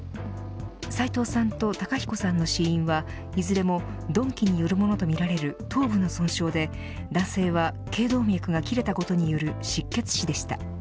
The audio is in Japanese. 斎藤さんと孝彦さんの死因はいずれも鈍器雄によるものとみられる頭部の損傷で男性は頸動脈が切れたことによる失血死でした。